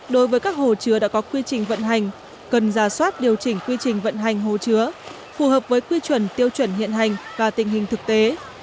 đối với các hồ chứa đã có quy trình vận hành cần giả soát điều chỉnh quy trình vận hành hồ chứa phù hợp với quy chuẩn tiêu chuẩn hiện hành và tình hình thực tế